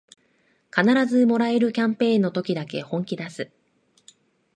必ずもらえるキャンペーンの時だけ本気だす